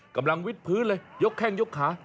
วิทย์พื้นเลยยกแข้งยกขา